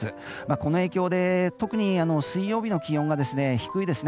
この影響で特に水曜日の気温が低いですね。